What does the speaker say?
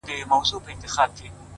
زموږ وطن كي اور بل دی”